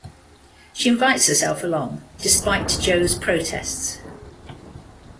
She invites herself along, despite Joe's protests.